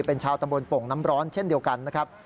เป็นชาวตำบลโป่งน้ำร้อนเช่นเดียวกันนะครับ